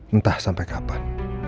entah sampai kapan